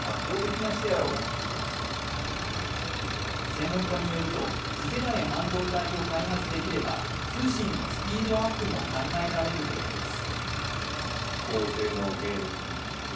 専門家によると次世代半導体を開発できれば通信のスピードアップも考えられるといいます。